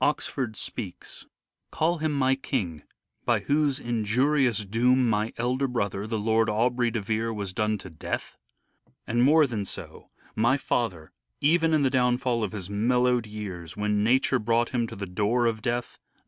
Oxford speaks :—" Call him my King, by whose injurious doom My elder brother, the Lord Aubrey de Vere, Was done to death ? And more than so, my father, Even in the downfall of his mellow'd years, When nature brought him to the door of death ?